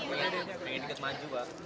pengen dikit maju pak